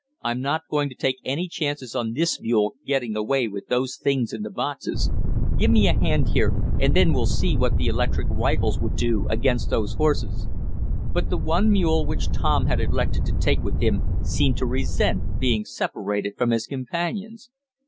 I'm not going to take any chances on this mule getting away with those things in the boxes. Give me a hand here, and then we'll see what the electric rifles will do against those horses." But the one mule which Tom had elected to take with him seemed to resent being separated from his companions.